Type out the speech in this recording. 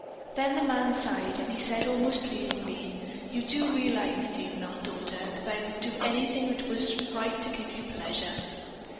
Then the man sighed, and he said almost pleadingly, "You do realize, do you not, daughter, that I would do anything that was right to give you pleasure?"